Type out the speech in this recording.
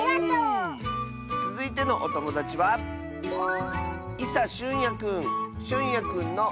つづいてのおともだちはしゅんやくんの。